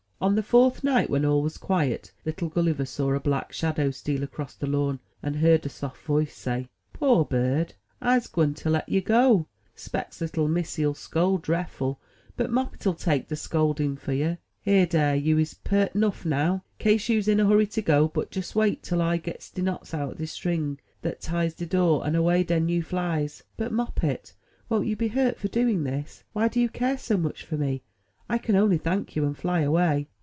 On the fourth night, when all was quiet, little Gulliver saw a black shadow steal across the lawn, and heard a soft voice say: *Toor bird, Fse gwine to let yer go. Specs little missy'U scold drefifie; but Moppet'U take de scolding for yer. Hi, dere! you is pert nuff now, kase you's in a hurry to go; but jes wait till I gits de knots out of de string dat ties de door, and away den you flies." But, Moppet, wont you be hurt for doing this? Why do you care so much for me? I can only thank you, and fly away."